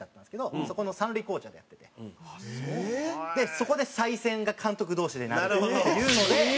そこで再戦が監督同士でなるっていうので。